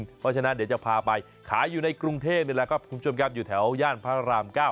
เพราะฉะนั้นเดี๋ยวจะพาไปขายอยู่ในกรุงเทพนี่แหละครับคุณผู้ชมครับอยู่แถวย่านพระราม๙